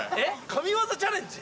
「神業チャレンジ」？